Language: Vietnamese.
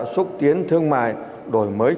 xúc tiến thương mại đổi mới